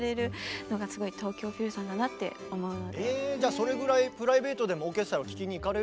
皆さんえじゃあそれぐらいプライベートでもオーケストラを聴きに行かれるんだ。